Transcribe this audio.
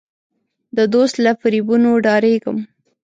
د دوست له فریبونو ډارېږم.